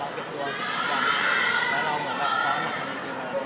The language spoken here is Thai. สวัสดีครับขออนุญาตถ้าใครถึงแฟนทีลักษณ์ที่เกิดอยู่แล้วค่ะ